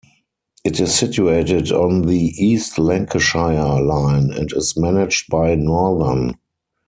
It is situated on the East Lancashire Line and is managed by Northern.